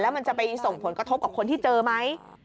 มันจะไปส่งผลกระทบกับคนที่เจอไหม